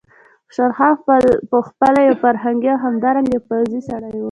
خوشحال خان په خپله یو فرهنګي او همدارنګه یو پوځي سړی و.